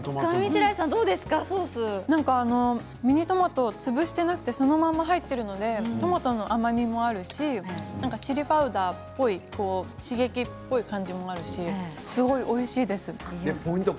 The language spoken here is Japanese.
ミニトマト潰していなくてそのまま入っているのでトマトの甘みもあるしチリパウダーっぽい刺激っぽい感じもあるしすごいおいしいです。